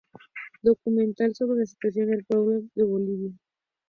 Documental sobre la situación del pueblo de Bolivia.